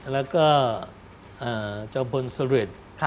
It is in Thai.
แล้วก็เจ้าพลสริท